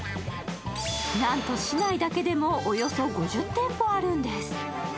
なんと、市内だけでもおよそ５０店舗あるんです。